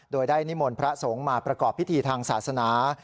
โดยได้นิมนต์พระสงฆ์มาประกอบพิธีทางศาสนา